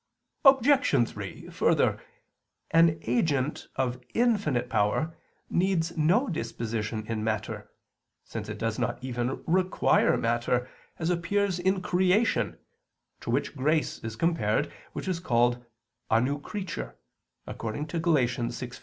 Obj. 3: Further, an agent of infinite power needs no disposition in matter, since it does not even require matter, as appears in creation, to which grace is compared, which is called "a new creature" (Gal. 6:15).